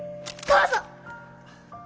どうぞ！